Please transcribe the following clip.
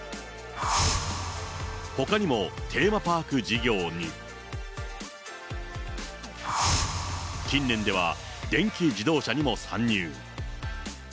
ほかにも、テーマパーク事業に、近年では電気自動車にも参入。